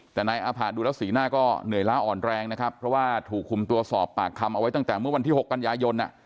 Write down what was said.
แต่นายอาผะดูแล้วสีหน้าก็เหนื่อยล้าอ่อนแรงนะครับเพราะว่าถูกคุมตัวสอบปากคำเอาไว้ตั้งแต่เมื่อวันที่๖กันยายน